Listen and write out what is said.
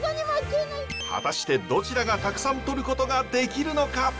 果たしてどちらがたくさんとることができるのか？